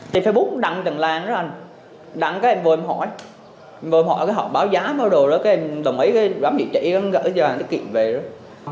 facebook đăng từng làng đó anh đăng cái em vô em hỏi vô em hỏi cái họ báo giá báo đồ đó cái em đồng ý cái đám vị trí gửi cho anh cái kiện về đó